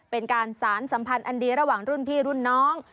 เป็นการสารสัมพันธ์อันดีระหว่างรุ่นพี่รุ่นน้อง